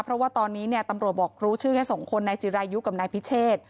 เพราะว่าตอนนี้เนี่ยตำรวจบอกรู้ชื่อแค่สองคนนายจิรายุกับนายพิเชษ